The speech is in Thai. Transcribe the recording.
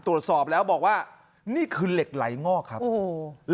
ตรวจสอบแล้วบอกว่านี่คือเหล็กไหลงอกครับโอ้โห